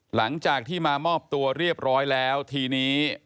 หลังจากที่มามอบตัวเรียบร้อยแล้วทีนี้